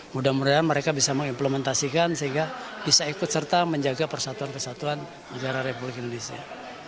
mudah mudahan mereka bisa mengimplementasikan sehingga bisa ikut serta menjaga persatuan kesatuan negara republik indonesia